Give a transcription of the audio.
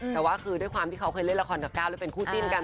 แต่ว่าคือด้วยความที่เขาเคยเล่นละครกับก้าวแล้วเป็นคู่จิ้นกัน